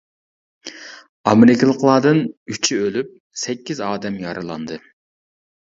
ئامېرىكىلىقلاردىن ئۈچى ئۆلۈپ، سەككىز ئادەم يارىلاندى.